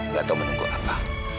nggak tahu menunggu apa